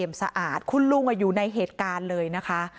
สะอาดคุณลุงอยู่ในเหตุการณ์เลยนะคะ